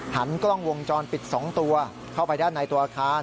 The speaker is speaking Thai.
หันกล้องวงจรปิด๒ตัวเข้าไปด้านในตัวอาคาร